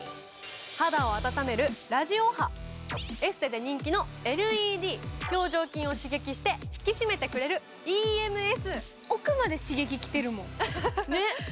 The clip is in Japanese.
肌を温めるラジオ波、エステで人気のＬＥＤ、表情筋を刺激して引き締めてくれるＥＭＳ。